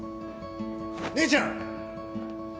姉ちゃん！